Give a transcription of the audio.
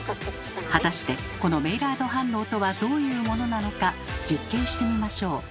果たしてこのメイラード反応とはどういうものなのか実験してみましょう。